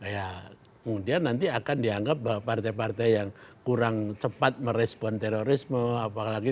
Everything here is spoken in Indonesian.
ya kemudian nanti akan dianggap bahwa partai partai yang kurang cepat merespon terorisme apalagi